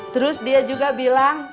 terus dia juga bilang